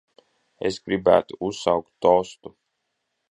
Es gribētu uzsaukt tostu.